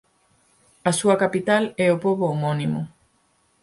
A súa capital é o pobo homónimo.